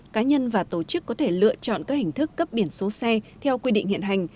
cá nhân và tổ chức có thể lựa chọn các hình thức cấp biển số xe theo quy định hiện hành